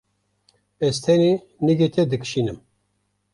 Ez tenê nigê te dikişînim.